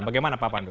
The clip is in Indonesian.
bagaimana pak pandu